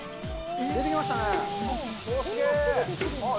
出てきましたね。